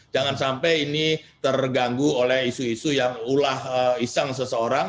jangan sampai ini terganggu oleh isu isu yang ulah iseng seseorang